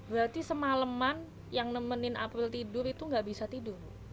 berarti semaleman yang nemenin april tidur itu nggak bisa tidur